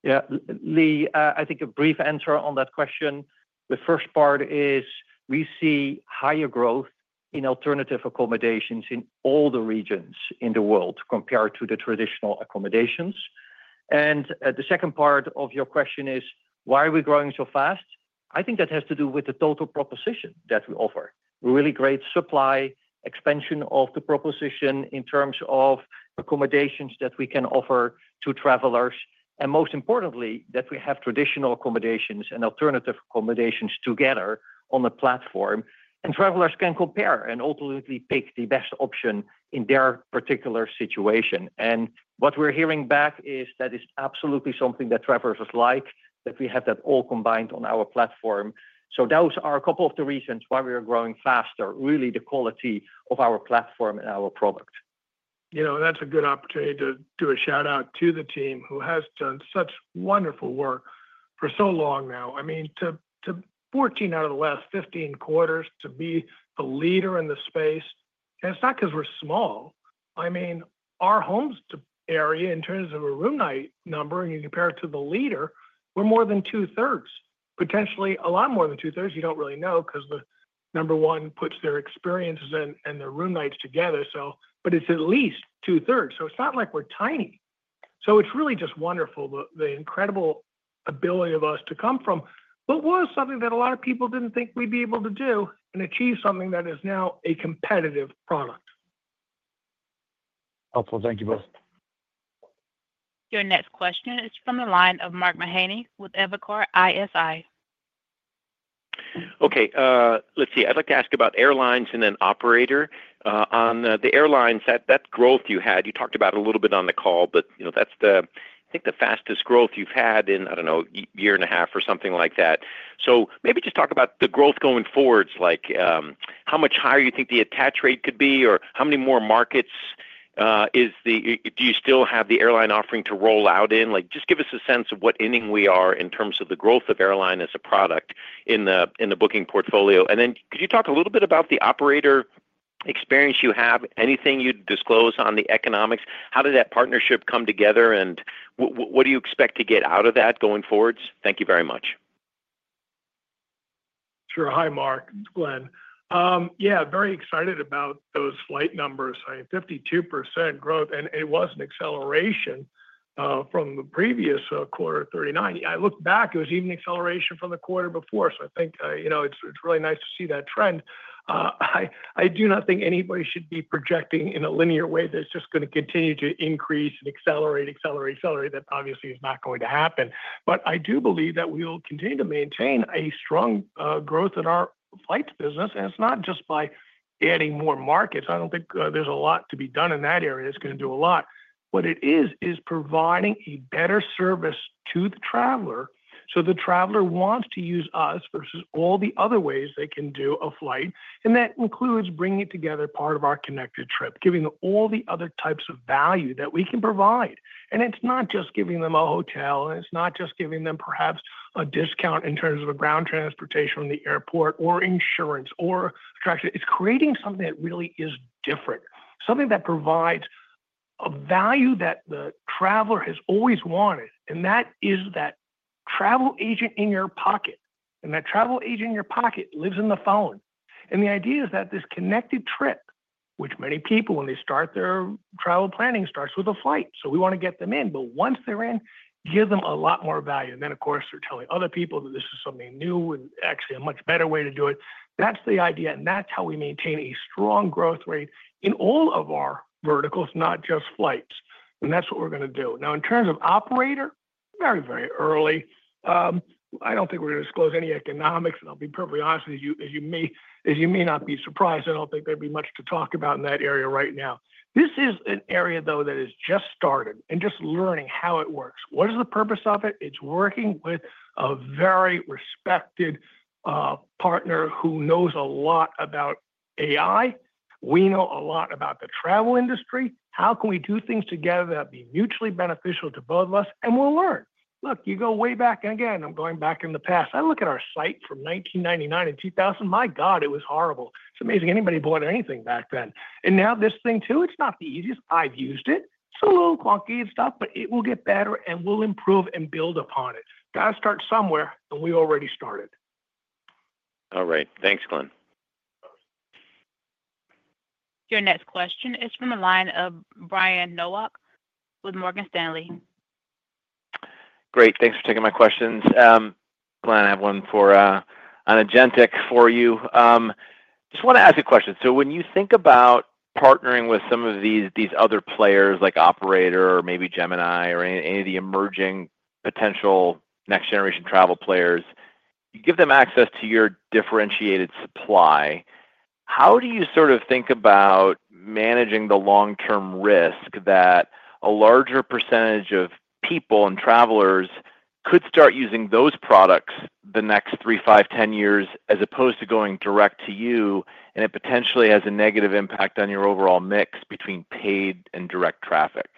Yeah. Lee, I think a brief answer on that question. The first part is we see higher growth in alternative accommodations in all the regions in the world compared to the traditional accommodations. And the second part of your question is, why are we growing so fast? I think that has to do with the total proposition that we offer. Really great supply expansion of the proposition in terms of accommodations that we can offer to travelers, and most importantly, that we have traditional accommodations and alternative accommodations together on the platform, and travelers can compare and ultimately pick the best option in their particular situation, and what we're hearing back is that is absolutely something that travelers like, that we have that all combined on our platform, so those are a couple of the reasons why we are growing faster, really the quality of our platform and our product. You know, that's a good opportunity to do a shout-out to the team who has done such wonderful work for so long now. I mean, to 14 out of the last 15Q, to be the leader in the space, and it's not because we're small. I mean, our homes area in terms of a room night number, and you compare it to the leader, we're more than two-thirds, potentially a lot more than two-thirds. You don't really know because the number one puts their experiences and their room nights together, but it's at least two-thirds. So it's not like we're tiny. So it's really just wonderful, the incredible ability of us to come from what was something that a lot of people didn't think we'd be able to do and achieve something that is now a competitive product. Helpful. Thank you both. Your next question is from the line of Mark Mahaney with Evercore ISI. Okay. Let's see. I'd like to ask about airlines and then operator. On the airlines, that growth you had, you talked about a little bit on the call, but that's, I think, the fastest growth you've had in, I don't know, a year and a half or something like that. So maybe just talk about the growth going forward, like how much higher you think the attach rate could be, or how many more markets do you still have the airline offering to roll out in? Just give us a sense of what inning we are in terms of the growth of airline as a product in the Booking portfolio. And then could you talk a little bit about the Operator experience you have? Anything you'd disclose on the economics? How did that partnership come together, and what do you expect to get out of that going forward? Thank you very much. Sure. Hi, Mark. It's Glenn. Yeah, very excited about those flight numbers. I mean, 52% growth, and it was an acceleration from the previous Q, 39%. I looked back, it was even an acceleration from the quarter before. So I think it's really nice to see that trend. I do not think anybody should be projecting in a linear way that it's just going to continue to increase and accelerate, accelerate, accelerate. That obviously is not going to happen. But I do believe that we will continue to maintain a strong growth in our flight business, and it's not just by adding more markets. I don't think there's a lot to be done in that area. It's going to do a lot. What it is, is providing a better service to the traveler. So the traveler wants to use us versus all the other ways they can do a flight. And that includes bringing together part of our connected trip, giving them all the other types of value that we can provide. And it's not just giving them a hotel, and it's not just giving them perhaps a discount in terms of ground transportation from the airport or insurance or attraction. It's creating something that really is different, something that provides a value that the traveler has always wanted. And that is that travel agent in your pocket. And that travel agent in your pocket lives in the phone. And the idea is that this connected trip, which many people, when they start their travel planning, starts with a flight. So we want to get them in. But once they're in, give them a lot more value. And then, of course, they're telling other people that this is something new and actually a much better way to do it. That's the idea. And that's how we maintain a strong growth rate in all of our verticals, not just flights. And that's what we're going to do. Now, in terms of Operator, very, very early. I don't think we're going to disclose any economics. And I'll be perfectly honest with you, as you may not be surprised, I don't think there'd be much to talk about in that area right now. This is an area, though, that has just started and just learning how it works. What is the purpose of it? It's working with a very respected partner who knows a lot about AI. We know a lot about the travel industry. How can we do things together that'd be mutually beneficial to both of us? And we'll learn. Look, you go way back. And again, I'm going back in the past. I look at our site from 1999 and 2000. My God, it was horrible. It's amazing. Anybody bought anything back then? And now this thing, too, it's not the easiest. I've used it. It's a little clunky and stuff, but it will get better and we'll improve and build upon it. Got to start somewhere, and we already started. All right. Thanks, Glenn. Your next question is from the line of Brian Nowak with Morgan Stanley. Great. Thanks for taking my questions. Glenn, I have one on agentic for you. Just want to ask a question. So when you think about partnering with some of these other players, like Operator or maybe Gemini or any of the emerging potential next-generation travel players, you give them access to your differentiated supply. How do you sort of think about managing the long-term risk that a larger percentage of people and travelers could start using those products the next three, five, 10 years as opposed to going direct to you, and it potentially has a negative impact on your overall mix between paid and direct traffic?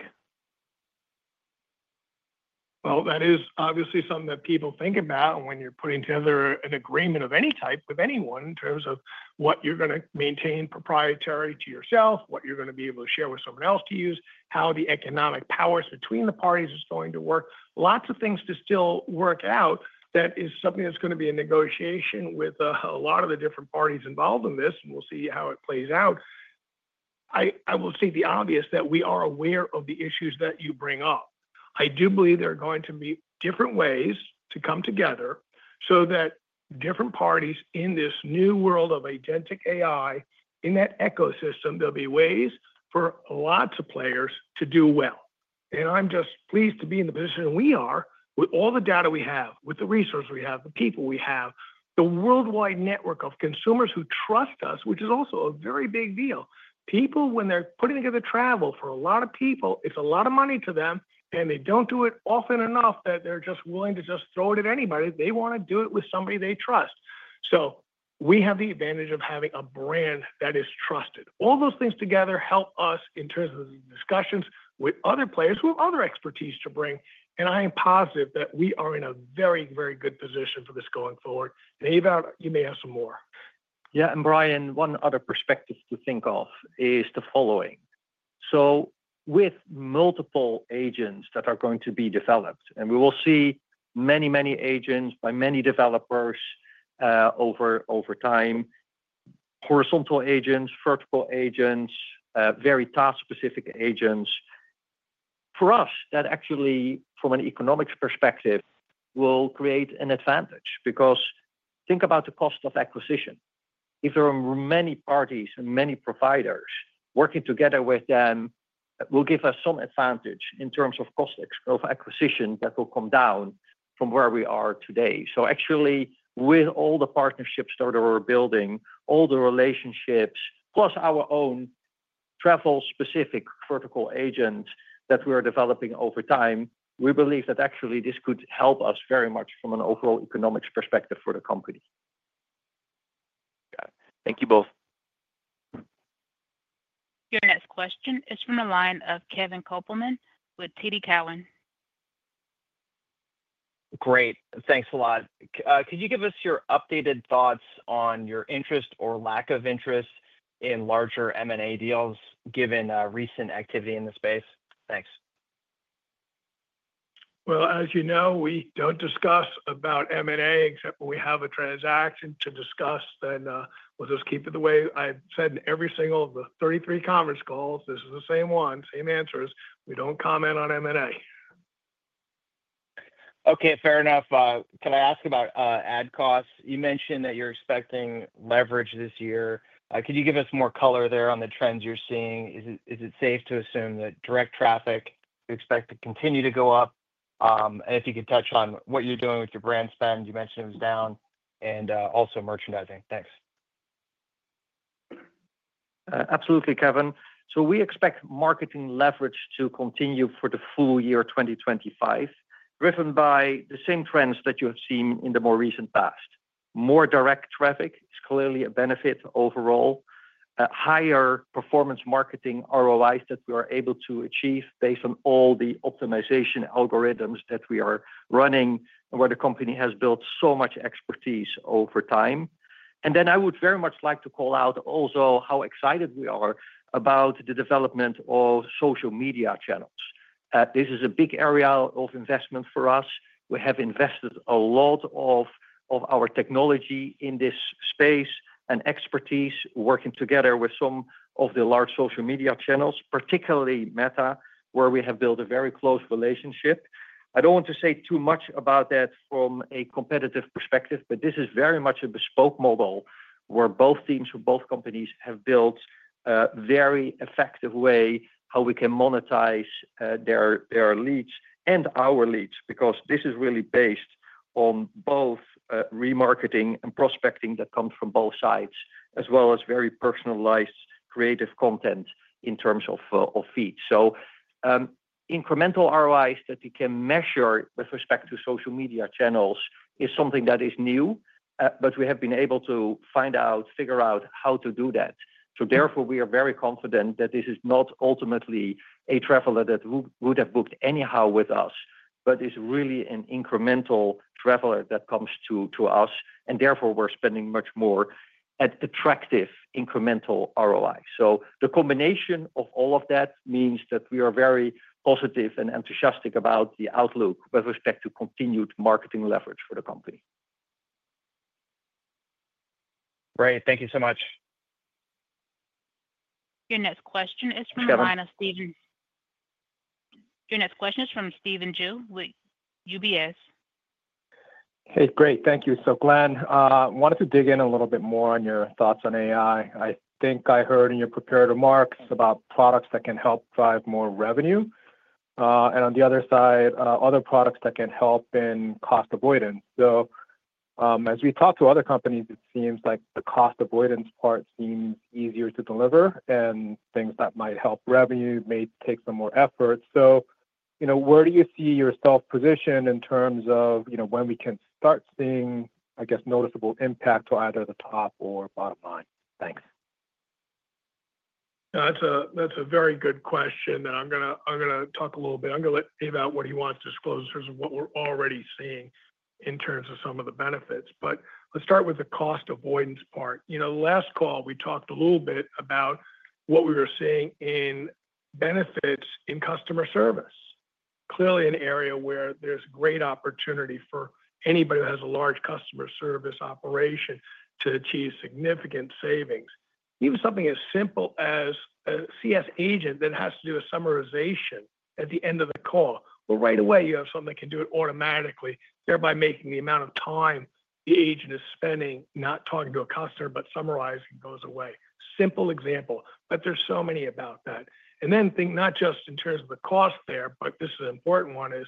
Well, that is obviously something that people think about when you're putting together an agreement of any type with anyone in terms of what you're going to maintain proprietary to yourself, what you're going to be able to share with someone else to use, how the economic powers between the parties are going to work. Lots of things to still work out. That is something that's going to be a negotiation with a lot of the different parties involved in this, and we'll see how it plays out. I will say the obvious that we are aware of the issues that you bring up. I do believe there are going to be different ways to come together so that different parties in this new world of Agentic AI, in that ecosystem, there'll be ways for lots of players to do well. And I'm just pleased to be in the position we are with all the data we have, with the resources we have, the people we have, the worldwide network of consumers who trust us, which is also a very big deal. People, when they're putting together travel for a lot of people, it's a lot of money to them, and they don't do it often enough that they're just willing to just throw it at anybody. They want to do it with somebody they trust. So we have the advantage of having a brand that is trusted. All those things together help us in terms of the discussions with other players who have other expertise to bring. And I am positive that we are in a very, very good position for this going forward. And Ewout, you may have some more. Yeah. And Brian, one other perspective to think of is the following. So with multiple agents that are going to be developed, and we will see many, many agents by many developers over time, horizontal agents, vertical agents, very task-specific agents. For us, that actually, from an economics perspective, will create an advantage because think about the cost of acquisition. If there are many parties and many providers working together with them, it will give us some advantage in terms of cost of acquisition that will come down from where we are today. So actually, with all the partnerships that we're building, all the relationships, plus our own travel-specific vertical agents that we're developing over time, we believe that actually this could help us very much from an overall economics perspective for the company. Got it. Thank you both. Your next question is from the line of Kevin Kopelman with TD Cowen. Great. Thanks a lot. Could you give us your updated thoughts on your interest or lack of interest in larger M&A deals given recent activity in the space? Thanks. Well, as you know, we don't discuss about M&A except when we have a transaction to discuss. And we'll just keep it the way I've said in every single of the 33 conference calls. This is the same one, same answers. We don't comment on M&A. Okay. Fair enough. Can I ask about ad costs? You mentioned that you're expecting leverage this year. Could you give us more color there on the trends you're seeing? Is it safe to assume that direct traffic you expect to continue to go up? And if you could touch on what you're doing with your brand spend. You mentioned it was down. And also merchandising. Thanks. Absolutely, Kevin. So we expect marketing leverage to continue for the full year 2025, driven by the same trends that you have seen in the more recent past. More direct traffic is clearly a benefit overall, higher performance marketing ROIs that we are able to achieve based on all the optimization algorithms that we are running and where the company has built so much expertise over time. And then I would very much like to call out also how excited we are about the development of social media channels. This is a big area of investment for us. We have invested a lot of our technology in this space and expertise working together with some of the large social media channels, particularly Meta, where we have built a very close relationship. I don't want to say too much about that from a competitive perspective, but this is very much a bespoke model where both teams from both companies have built a very effective way how we can monetize their leads and our leads because this is really based on both remarketing and prospecting that comes from both sides, as well as very personalized creative content in terms of feeds. So incremental ROIs that you can measure with respect to social media channels is something that is new, but we have been able to find out, figure out how to do that. So therefore, we are very confident that this is not ultimately a traveler that would have booked anyhow with us, but is really an incremental traveler that comes to us. And therefore, we're spending much more at attractive incremental ROI. So the combination of all of that means that we are very positive and enthusiastic about the outlook with respect to continued marketing leverage for the company. Great. Thank you so much. Your next question is from Stephen. Your next question is from Stephen Ju with UBS. Hey, great. Thank you. So Glenn, I wanted to dig in a little bit more on your thoughts on AI. I think I heard in your prepared remarks about products that can help drive more revenue. And on the other side, other products that can help in cost avoidance. So, as we talk to other companies, it seems like the cost avoidance part seems easier to deliver and things that might help revenue may take some more effort. So, where do you see yourself positioned in terms of when we can start seeing, I guess, noticeable impact to either the top or bottom line? Thanks. That's a very good question, and I'm going to talk a little bit. I'm going to let Ewout what he wants to disclose in terms of what we're already seeing in terms of some of the benefits, but let's start with the cost avoidance part. Last call, we talked a little bit about what we were seeing in benefits in customer service. Clearly, an area where there's great opportunity for anybody who has a large customer service operation to achieve significant savings. Even something as simple as a CS agent that has to do a summarization at the end of the call. Well, right away, you have someone that can do it automatically, thereby making the amount of time the agent is spending not talking to a customer, but summarizing goes away. Simple example, but there's so many about that. And then think not just in terms of the cost there, but this is an important one is,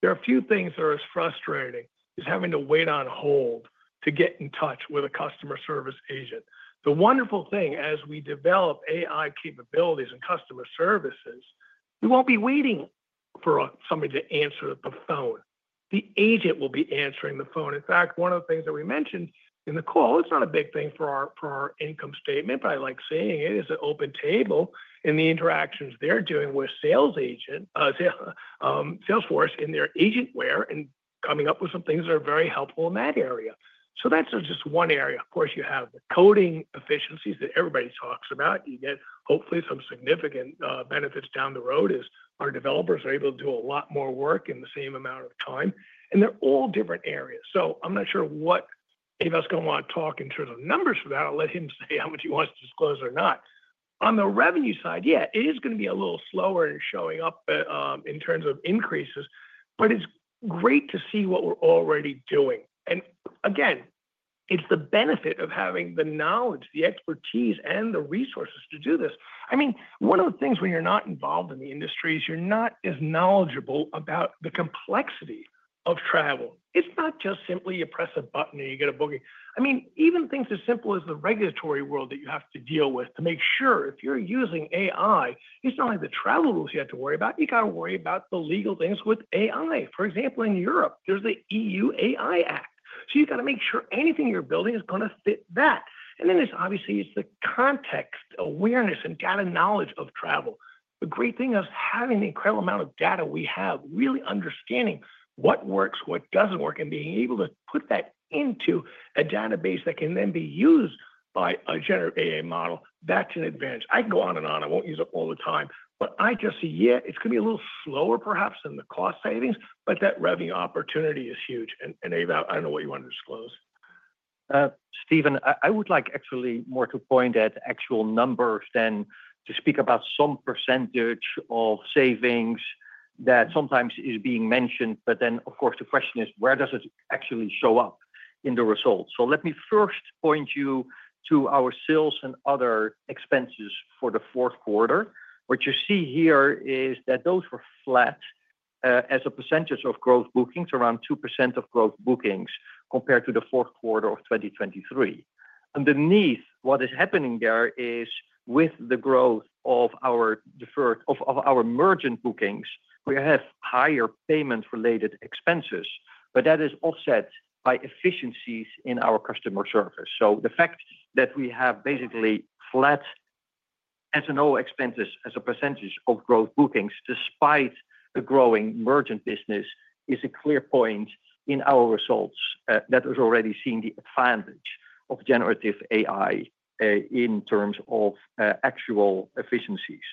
there are a few things that are as frustrating as having to wait on hold to get in touch with a customer service agent. The wonderful thing, as we develop AI capabilities and customer services, we won't be waiting for somebody to answer the phone. The agent will be answering the phone. In fact, one of the things that we mentioned in the call. It's not a big thing for our income statement, but I like saying it is OpenTable in the interactions they're doing with Salesforce in their Agentforce and coming up with some things that are very helpful in that area. So that's just one area. Of course, you have the coding efficiencies that everybody talks about. You get, hopefully, some significant benefits down the road as our developers are able to do a lot more work in the same amount of time. And they're all different areas. So I'm not sure what Ewout's going to want to talk in terms of numbers for that. I'll let him say how much he wants to disclose or not. On the revenue side, yeah, it is going to be a little slower in showing up in terms of increases, but it's great to see what we're already doing, and again, it's the benefit of having the knowledge, the expertise, and the resources to do this. I mean, one of the things when you're not involved in the industry is you're not as knowledgeable about the complexity of travel. It's not just simply you press a button and you get a booking. I mean, even things as simple as the regulatory world that you have to deal with to make sure if you're using AI, it's not like the travel rules you have to worry about. You got to worry about the legal things with AI. For example, in Europe, there's the EU AI Act. So you got to make sure anything you're building is going to fit that. And then it's obviously the context, awareness, and data knowledge of travel. The great thing of having the incredible amount of data we have, really understanding what works, what doesn't work, and being able to put that into a database that can then be used by a generative AI model, that's an advantage. I can go on and on. I won't use it all the time. But I just see, yeah, it's going to be a little slower, perhaps, in the cost savings, but that revenue opportunity is huge. And Ewout, I don't know what you want to disclose. Stephen, I would like actually more to point at actual numbers than to speak about some percentage of savings that sometimes is being mentioned. But then, of course, the question is, where does it actually show up in the results? So let me first point you to our sales and other expenses for the fourth quarter. What you see here is that those were flat as a percentage of growth bookings, around 2% of growth bookings compared to the fourth quarter of 2023. Underneath, what is happening there is with the growth of our merchant bookings, we have higher payment-related expenses, but that is offset by efficiencies in our customer service. So the fact that we have basically flat S&O expenses as a percentage of growth bookings despite the growing merchant business is a clear point in our results that has already seen the advantage of generative AI in terms of actual efficiencies.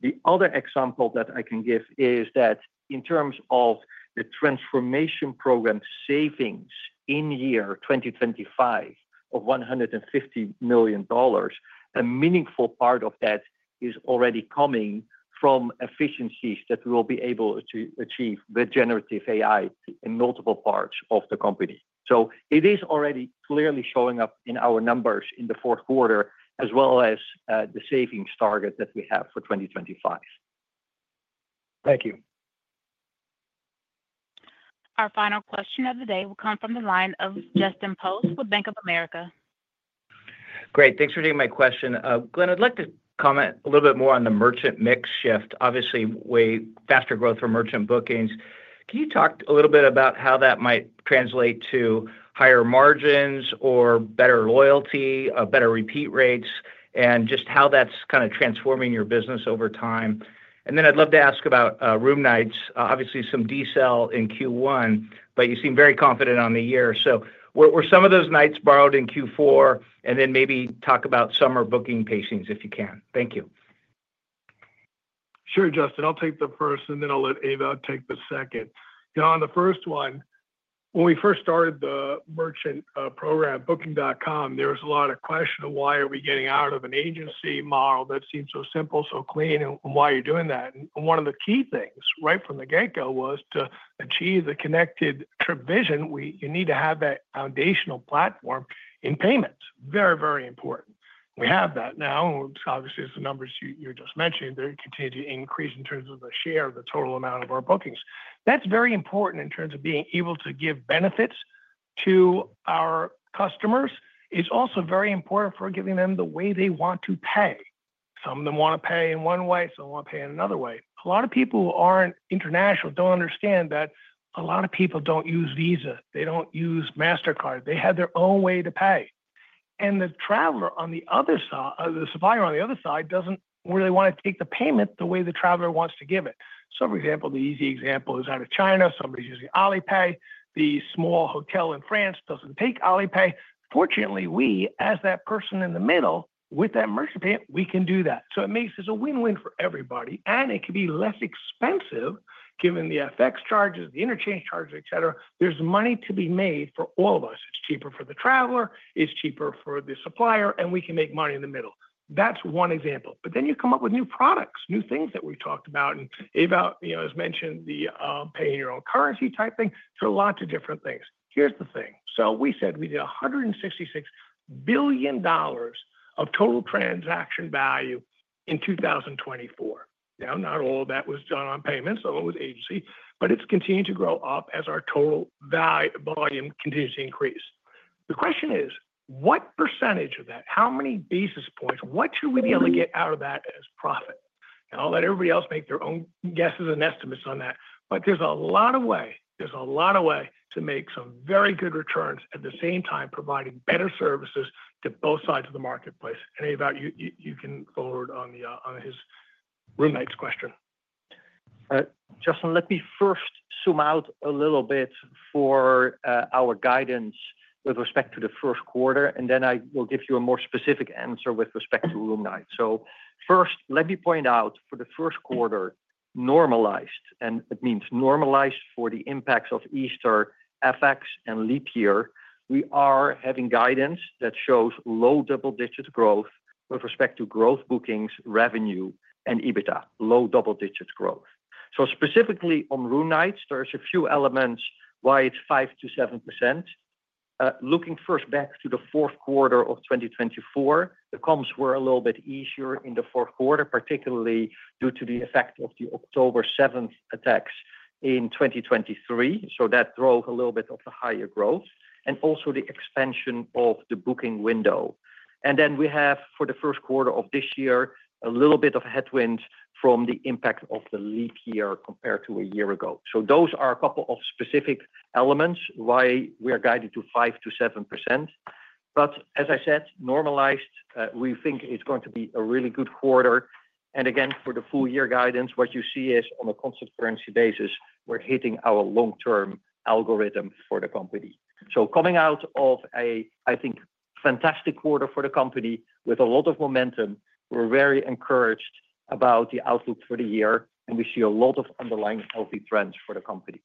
The other example that I can give is that in terms of the transformation program savings in year 2025 of $150 million, a meaningful part of that is already coming from efficiencies that we will be able to achieve with generative AI in multiple parts of the company. So it is already clearly showing up in our numbers in the fourth quarter, as well as the savings target that we have for 2025. Thank you. Our final question of the day will come from the line of Justin Post with Bank of America. Great. Thanks for taking my question. Glenn, I'd like to comment a little bit more on the merchant mix shift. Obviously, faster growth for merchant bookings. Can you talk a little bit about how that might translate to higher margins or better loyalty, better repeat rates, and just how that's kind of transforming your business over time? And then I'd love to ask about room nights. Obviously, some DCEL in Q1, but you seem very confident on the year. Were some of those nights borrowed in Q4? And then maybe talk about summer booking pacings if you can. Thank you. Sure, Justin. I'll take the first, and then I'll let Ava take the second. On the first one, when we first started the merchant program, Booking.com, there was a lot of question of why are we getting out of an agency model that seems so simple, so clean, and why are you doing that? One of the key things right from the get-go was to achieve the Connected Trip vision. You need to have that foundational platform in payments. Very, very important. We have that now. Obviously, the numbers you're just mentioning, they continue to increase in terms of the share of the total amount of our bookings. That's very important in terms of being able to give benefits to our customers. It's also very important for giving them the way they want to pay. Some of them want to pay in one way. Some want to pay in another way. A lot of people who aren't international don't understand that a lot of people don't use Visa. They don't use Mastercard. They have their own way to pay. And the traveler on the other side, the supplier on the other side, doesn't really want to take the payment the way the traveler wants to give it. For example, the easy example is out of China, somebody's using Alipay. The small hotel in France doesn't take Alipay. Fortunately, we, as that person in the middle with that merchant payment, we can do that. So it makes it a win-win for everybody. And it can be less expensive given the FX charges, the interchange charges, etc. There's money to be made for all of us. It's cheaper for the traveler. It's cheaper for the supplier. And we can make money in the middle. That's one example. But then you come up with new products, new things that we've talked about. And Ava, as mentioned, the paying your own currency type thing. There are lots of different things. Here's the thing. So we said we did $166 billion of total transaction value in 2024. Now, not all of that was done on payments. Some of it was agency. But it's continued to grow up as our total volume continues to increase. The question is, what percentage of that? How many basis points? What should we be able to get out of that as profit? And I'll let everybody else make their own guesses and estimates on that. But there's a lot of ways to make some very good returns at the same time, providing better services to both sides of the marketplace. And Ava, you can forward on his remaining question. Justin, let me first zoom out a little bit for our guidance with respect to the first quarter. And then I will give you a more specific answer with respect to room nights. So first, let me point out for the first quarter, normalized. And it means normalized for the impacts of Easter, FX, and leap year. We are having guidance that shows low double-digit growth with respect to Gross Bookings, revenue, and EBITDA, low double-digit growth. So specifically on room nights, there are a few elements why it's 5%-7%. Looking first back to the fourth quarter of 2024, the comps were a little bit easier in the fourth quarter, particularly due to the effect of the October 7th attacks in 2023. So that drove a little bit of the higher growth and also the expansion of the booking window. And then we have, for the first quarter of this year, a little bit of headwinds from the impact of the leap year compared to a year ago. So those are a couple of specific elements why we are guided to 5%-7%. But as I said, normalized, we think it's going to be a really good quarter. And again, for the full year guidance, what you see is on a constant currency basis, we're hitting our long-term algorithm for the company. So coming out of a, I think, fantastic quarter for the company with a lot of momentum, we're very encouraged about the outlook for the year. And we see a lot of underlying healthy trends for the company.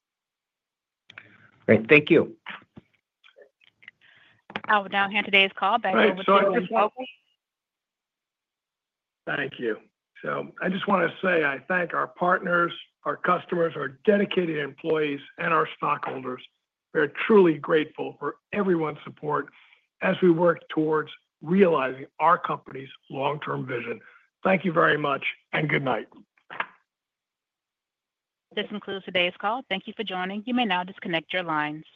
Great. Thank you. I'll now hand today's call back over to Michael. Thank you. So I just want to say I thank our partners, our customers, our dedicated employees, and our stockholders. We are truly grateful for everyone's support as we work towards realizing our company's long-term vision. Thank you very much and good night. This concludes today's call. Thank you for joining. You may now disconnect your lines.